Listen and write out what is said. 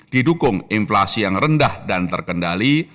didukung inflasi yang rendah dan terkendali